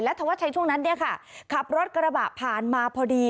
และธวัดชัยช่วงนั้นขับรถกระบะผ่านมาพอดี